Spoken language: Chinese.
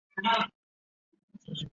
此派得名于他们使用的辩论技巧。